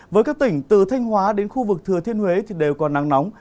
với các tỉnh từ thanh hóa đến khu vực thừa thiên huế thì đều có nắng nóng